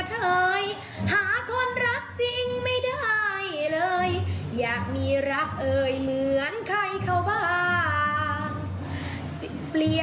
ทุกทางให้เหมือนชะนี